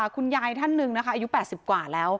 คุณยายท่านหนึ่งนะคะอายุ๘๐กว่าแล้ว